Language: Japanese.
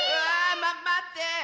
ままって！